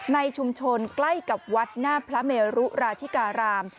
ในชุมชนใกล้กับวัดหน้าพระเมรุราชิการาม